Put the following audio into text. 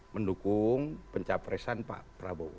mendukung pencawapresan pak prabowo